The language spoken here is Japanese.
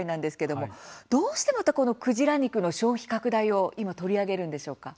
どうしてまたクジラ肉の消費拡大を今、取り上げるんでしょうか。